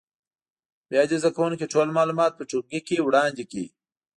بیا دې زده کوونکي ټول معلومات په ټولګي کې وړاندې کړي.